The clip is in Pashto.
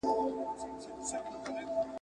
یرغل